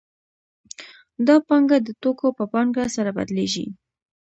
دا پانګه د توکو په پانګه سره بدلېږي